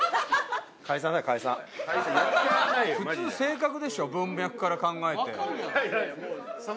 普通「性格」でしょ文脈から考えて。